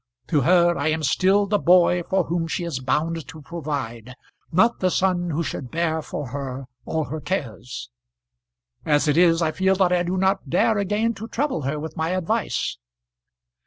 To her I am still the boy for whom she is bound to provide, not the son who should bear for her all her cares. As it is I feel that I do not dare again to trouble her with my advice."